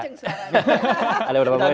sejaga kenceng sebenarnya